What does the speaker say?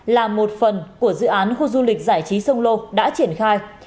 là một phần của dự án khu du lịch giải trí sông lô đã triển khai